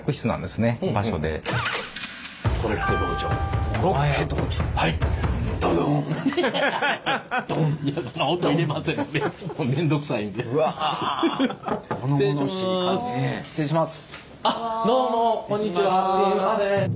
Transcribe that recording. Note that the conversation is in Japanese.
すいません。